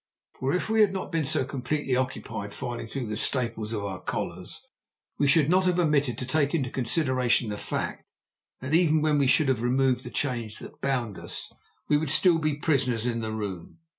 For if we had not been so completely occupied filing through the staples of our collars we should not have omitted to take into consideration the fact that, even when we should have removed the chains that bound us, we would still be prisoners in the room.